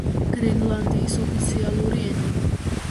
გრენლანდიის ოფიციალური ენა.